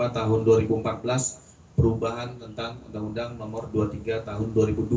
tiga puluh lima tahun dua ribu empat belas perubahan undang undang ri dua puluh tiga tahun dua ribu dua